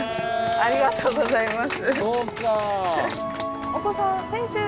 ありがとうございます。